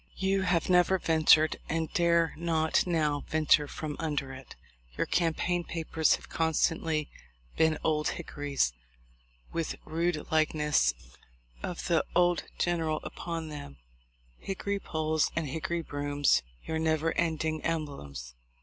You have never ventured, and dare not now venture from under it. Your cam paign papers have constantly been 'Old Hickory's', with rude likeness of the old general upon them ; hickory poles and hickory brooms your never ending emblems.